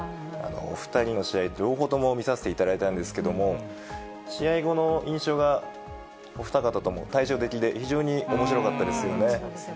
お２人の試合、両方とも見させていただいたんですけれども、試合後の印象が、お二方とも対照的で非常におもしろかったですよね。